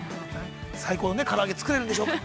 最高のから揚げが作れるんでしょうか。